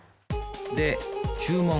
で注文。